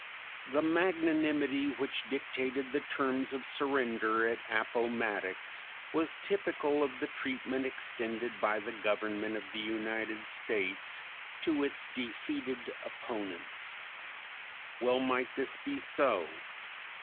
The magnanimity which dictated the terms of surrender at Appomattox was typical of the treatment extended by the Government of the United States to its defeated opponents. Well might this be so.